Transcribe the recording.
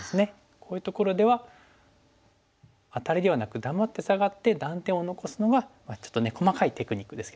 こういうところではアタリではなく黙ってサガって断点を残すのがまあちょっとね細かいテクニックですけどね